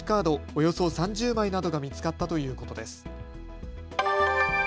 およそ３０枚などが見つかったということです。